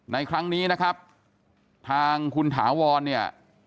ในครั้งนี้นะครับทางคุณถาวรเนี่ย